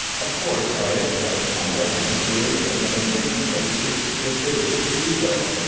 Of course I expressed my readiness to aid them in obtaining places, if they wished to do so.